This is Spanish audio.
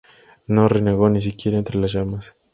No renegó, ni siquiera entre las llamas.